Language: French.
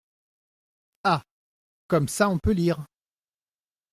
Ah ! comme ça, on peut lire !